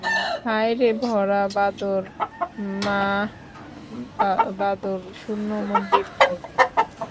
হায় রে– ভরা বাদর, মাহ ভাদর, শূন্য মন্দির মোর!